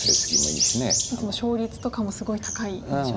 いつも勝率とかもすごい高い印象ですよね。